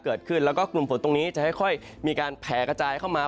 เกิดขึ้นแล้วก็กลุ่มฝนตรงนี้จะค่อยมีการแผลกระจายเข้ามา